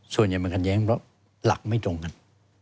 ส่วนใหญ่มันขัดแย้งเพราะหลักไม่ตรงกัน